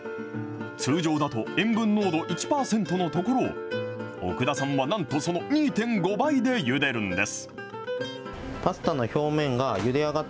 通常だと塩分濃度１％のところを、奥田さんはなんとその２．５倍でゆでるんです。